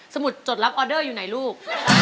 มุดจดรับออเดอร์อยู่ไหนลูก